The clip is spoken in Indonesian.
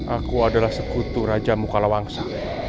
aku adalah sekutu raja mukalawangsa